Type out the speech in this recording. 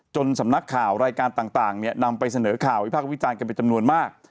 สำนักข่าวรายการต่างนำไปเสนอข่าววิพากษ์วิจารณ์กันเป็นจำนวนมาก